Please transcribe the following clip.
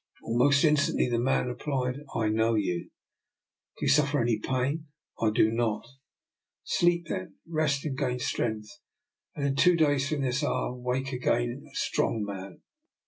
Almost instantly the man repHed: —" I know you." " Do you suffer any pain? "" I do not." " Sleep then, rest and gain strength, and in two days from this hour wake again a strong man."